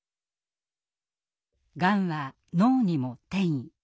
がんは脳にも転移。